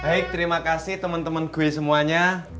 baik terima kasih teman teman gue semuanya